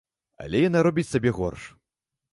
Але яна робіць сабе горш.